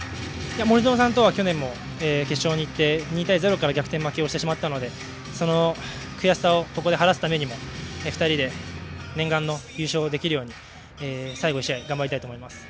森薗さんとは去年も決勝にいって２対０から逆転負けしてしまったのでその悔しさをここで晴らすためにも２人で念願の優勝できるように最後の１試合頑張りたいと思います。